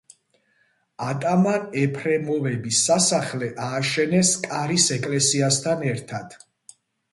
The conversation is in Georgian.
ატამან ეფრემოვების სასახლე ააშენეს კარის ეკლესიასთან ერთად.